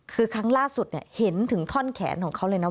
คือครั้งล่าสุดเห็นถึงท่อนแขนของเขาเลยนะ